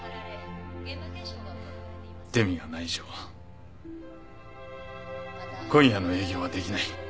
デミがない以上今夜の営業はできない。